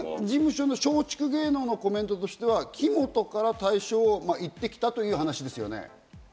松竹芸能のコメントとしては、木本から退所と言ってきたという話ですね。